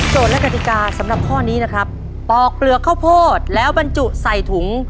และกติกาสำหรับข้อนี้นะครับปอกเปลือกข้าวโพดแล้วบรรจุใส่ถุง